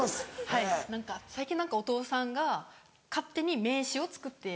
はい最近何かお父さんが勝手に名刺を作って。